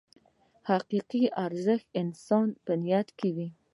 حقیقي ارزښت د انسان په نیت کې دی.